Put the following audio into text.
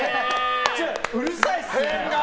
うるさいっす。